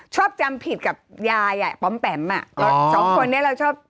ชอบจำผิดกับยายอ่ะปอมแปมอ่ะก็สองคนนี้เราชอบ